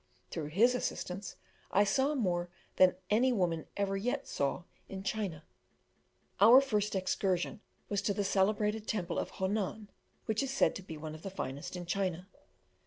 Through his assistance, I saw more than any woman ever yet saw in China. Our first excursion was to the celebrated Temple of Honan, which is said to be one of the finest in China.